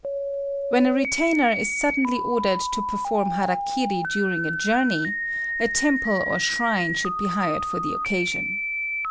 ] When a retainer is suddenly ordered to perform hara kiri during a journey, a temple or shrine should be hired for the occasion.